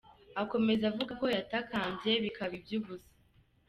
Akomeza avuga ko yatakambye bikaba iby’ubusa.